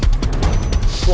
gue gak tau kak